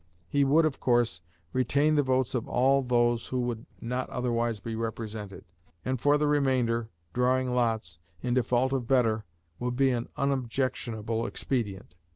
He would, of course, retain the votes of all those who would not otherwise be represented; and for the remainder, drawing lots, in default of better, would be an unobjectionable expedient.